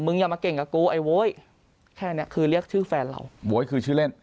อย่ามาเก่งกับกูไอ้โว้ยแค่เนี้ยคือเรียกชื่อแฟนเราโบ๊ยคือชื่อเล่น